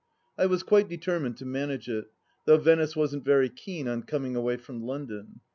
I was quite determined to manage it, though Venice wasn't very keen on coming away from London.